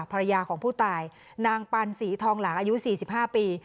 ภรรยาของผู้ตายนางปัญศรีทองหลังอายุสี่สิบห้าปี